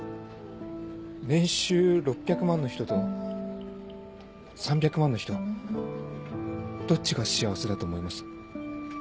年収６００万の人と３００万の人どっちが幸せだと思います？